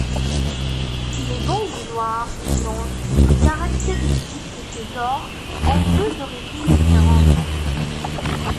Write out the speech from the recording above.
Les bandes noires et blanches caractéristiques de ce genre ont deux origines différentes.